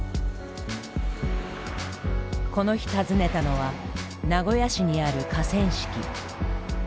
この日訪ねたのは名古屋市にある河川敷。